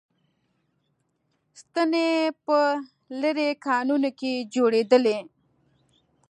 ستنې په لېرې کانونو کې جوړېدلې